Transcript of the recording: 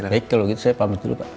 baik kalau gitu saya pamit dulu pak